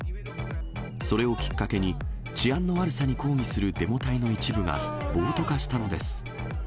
それをきっかけに、治安の悪さに抗議するデモ隊の一部が暴徒化したのです。